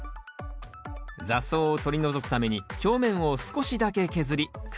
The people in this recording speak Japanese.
雑草を取り除くために表面を少しだけ削り区画を作ります。